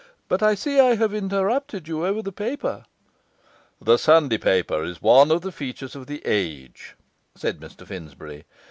'But I see I have interrupted you over the paper.' 'The Sunday paper is one of the features of the age,' said Mr Finsbury.